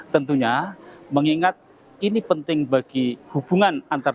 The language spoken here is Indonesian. tentunya mengingat ini penting bagi hubungan antar